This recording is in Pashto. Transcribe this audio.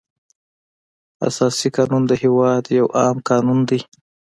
اساسي قانون د هېواد یو عام قانون دی.